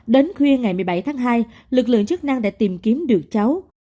đến khuya ngày một mươi bảy tháng hai lực lượng chức năng đã tìm kiếm được cháu